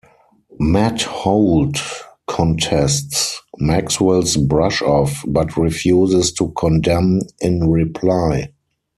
Matt Holt contests Maxwell's brush-off, but refuses to condemn in reply.